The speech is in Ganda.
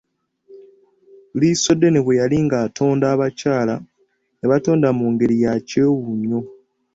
Liisoddene bwe yali ng'atonda abakyala, yabatonda mu ngeri yakyewuunyo.